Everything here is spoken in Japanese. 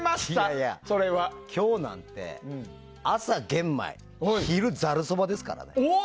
いやいや、今日なんて朝は玄米、昼はざるそばですから。